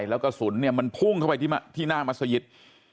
ชักปืนยิงใส่เข้าไปแล้วกระสุนมันพุ่งเข้าไปที่หน้ามัสยิทธิ์